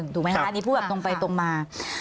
ถูกไหมนะคะตรงไปถูกมา